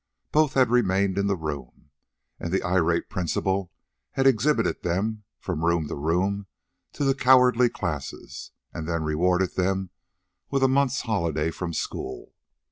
Both had remained in the room, and the irate principal had exhibited them, from room to room, to the cowardly classes, and then rewarded them with a month's holiday from school.